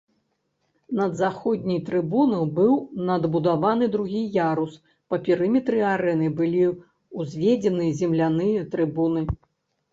Над заходняй трыбунай быў надбудаваны другі ярус, па перыметры арэны былі ўзведзены земляныя трыбуны.